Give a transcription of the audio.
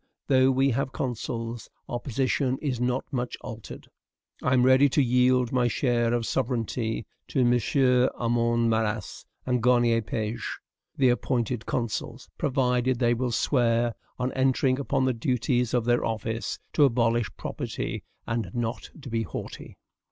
Though we have consuls, our position is not much altered. I am ready to yield my share of sovereignty to MM. Armand Marrast and Garnier Pages, the appointed consuls, provided they will swear on entering upon the duties of their office, to abolish property and not be haughty.